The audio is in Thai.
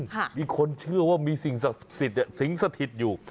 มีคนเชื่อว่ามีสิงสถิตสิงสถิตอยู่